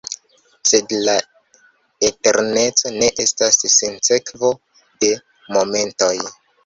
Sed la eterneco ne estas sinsekvo de momentoj!